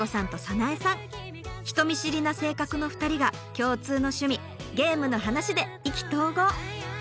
人見知りな性格の２人が共通の趣味ゲームの話で意気投合！